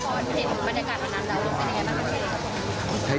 พอเห็นบรรยากาศเท่านั้นเราก็เป็นยังไงบ้างครับพี่ออส